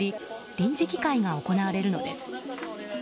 臨時議会が行われるのです。